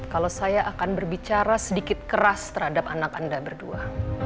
kalau saya akan berbicara sedikit keras terhadap anak anda berdua